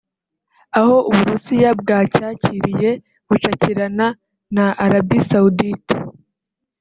aho u Burusiya bwacyakiriye bucakirana na Arabie Saoudite